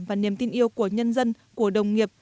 và niềm tin yêu của nhân dân của đồng nghiệp